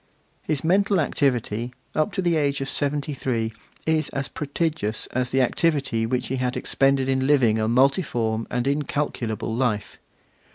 His mental activity, up to the age of seventy three, is as prodigious as the activity which he had expended in living a multiform and incalculable life.